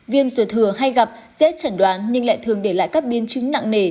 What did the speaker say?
viêm ruột thừa hay gặp dễ chẩn đoán nhưng lại thường để lại các biến chứng nặng nề